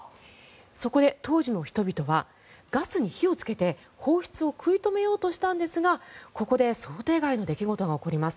そこで、当時の人々はガスに火をつけて放出を食い止めようとしたんですがここで想定外の出来事が起こります。